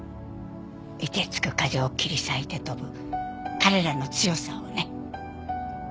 凍てつく風を切り裂いて飛ぶ彼らの強さをね。